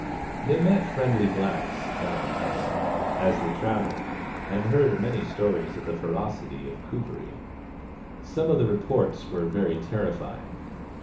They met friendly blacks now and then, as they travelled, and heard many stories of the ferocity of Kuperee. Some of the reports were very terrifying.